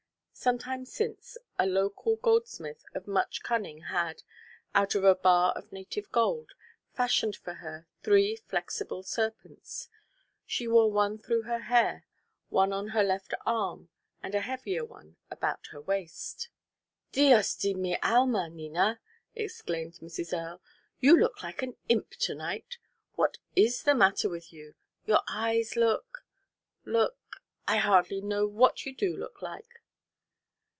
Sometime since a local goldsmith of much cunning had, out of a bar of native gold, fashioned for her three flexible serpents. She wore one through her hair, one on her left arm, and a heavier one about her waist. "Dios de mi alma, Nina," exclaimed Mrs. Earle; "you look like an imp to night. What is the matter with you? Your eyes look look I hardly know what you do look like."